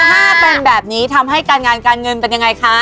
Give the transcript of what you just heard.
ถ้าเป็นแบบนี้ทำให้การงานการเงินเป็นยังไงคะ